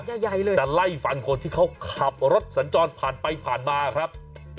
จะไล่ฝั่งคนที่เขาขับรถสัญจรผ่านไปผ่านมาครับ